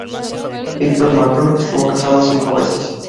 Victor Mature estuvo casado cinco veces.